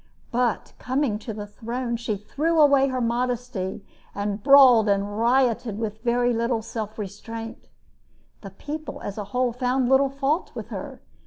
But, coming to the throne, she threw away her modesty and brawled and rioted with very little self restraint. The people as a whole found little fault with her.